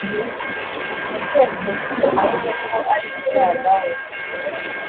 Ngo twese tumumenye ko ariwe mwana we